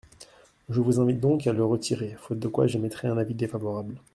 Je vous invite donc à le retirer, faute de quoi j’émettrai un avis défavorable.